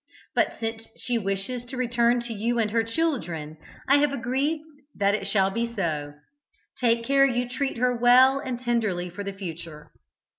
But, since she wishes to return to you and to her children, I have agreed that it shall be so. Take care you treat her well and tenderly for the future.